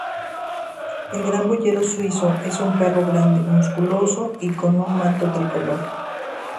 El Gran Boyero Suizo es un perro grande, musculoso y con un manto tricolor.